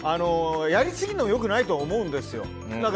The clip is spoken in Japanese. やりすぎるのもよくないと思うんですよ。